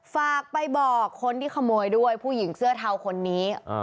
ฝากไปบอกคนที่ขโมยด้วยผู้หญิงเสื้อเทาคนนี้